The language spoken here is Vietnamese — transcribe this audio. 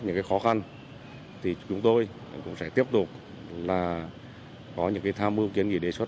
những khó khăn thì chúng tôi cũng sẽ tiếp tục có những tham mưu kiến nghị đề xuất